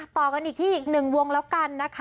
ต่อกันอีกที่อีกหนึ่งวงแล้วกันนะคะ